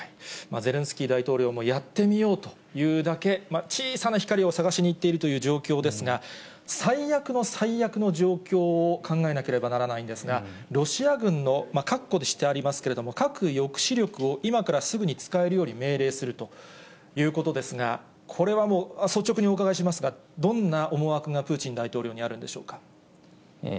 ゼレンスキー大統領もやってみようというだけ、小さな光を探しにいっているという状況ですが、最悪の最悪の状況を考えなければならないんですが、ロシア軍の、括弧としてありますけれども、核抑止力を今からすぐに使えるように命令するということですが、これはもう、率直にお伺いしますが、どんな思惑がプーチン大統領にあるんでしょうか。